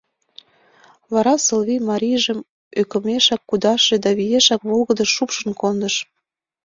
Вара Сылвий марийжым ӧкымешак кудаше да виешак волгыдыш шупшын кондыш.